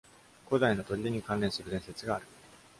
古代の砦に関連する伝説がある。